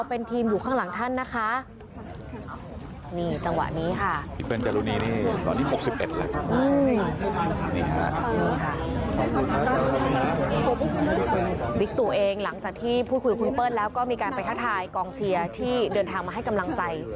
บิ๊กตูเองหลังจากที่พูดคุยกับคุณเปิ้ลแล้วก็มีการไปทักทายกองเชียร์ที่เดินทางมาให้กำลังใจ